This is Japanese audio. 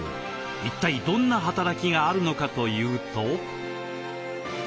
一体どんな働きがあるのかというと。